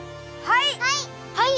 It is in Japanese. はい！